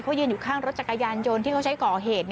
เขายืนอยู่ข้างรถจักรยานยนต์ที่เขาใช้ก่อเหตุ